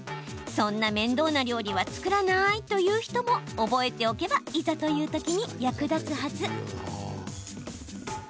そんな面倒な料理は作らないという人も、覚えておけばいざというときに役立つはず！